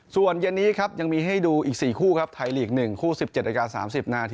ส่วนเย็นนี้ยังมีให้ดูอีก๔คู่ไทยลีก๑คู่๑๗น๓๐น